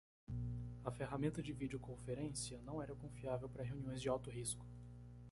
A ferramenta de videoconferência não era confiável para reuniões de alto risco.